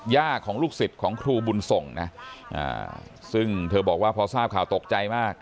ของลูกศิษย์ของครูบุญส่งนะซึ่งเธอบอกว่าพอทราบข่าวตกใจมาก